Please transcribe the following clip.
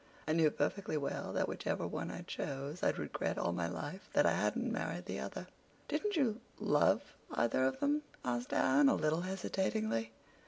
I knew perfectly well that whichever one I chose I'd regret all my life that I hadn't married the other." "Didn't you—love—either of them?" asked Anne, a little hesitatingly.